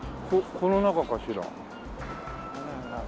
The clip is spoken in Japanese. ここの中かしら？